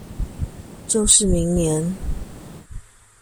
就是明年？